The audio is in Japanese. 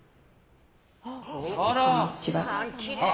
こんにちは。